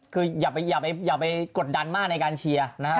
คืออย่าไปกดดันมากในการเชียร์นะครับ